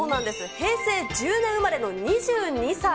平成１０年生まれの２２歳。